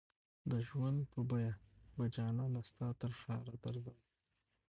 د ژوند په بیه به جانانه ستا ترښاره درځم